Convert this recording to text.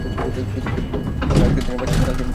পৃথিবীতে আজকের দিনের বাসায় কালকের দিনের জায়গা হয় না।